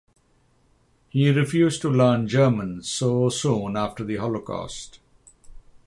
He refused to learn German so soon after the Holocaust.